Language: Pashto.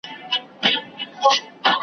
په سراب کي دي په زړه سوم لاس دي جارسم .